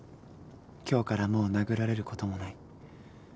今日からもう殴られることもない。